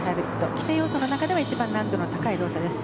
規定要素の中では一番難度の高い動作です。